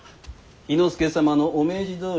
氷ノ介様のお命じどおり。